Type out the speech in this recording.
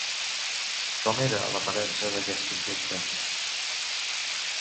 Com era l'aparença d'aquest objecte?